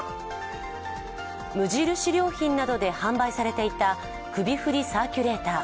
無印良品などで販売されていた首振りサーキュレーター。